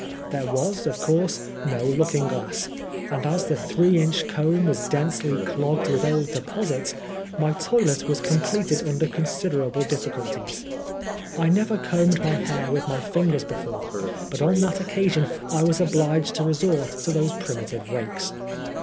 There was, of course, no looking glass, and as the three inch cOmb was densely clogged with old deposits, my toilet was completed under considerable difficulties. I never combed my hair with my fingers before, but on that occasion I was obliged to resort to those primitive rakes.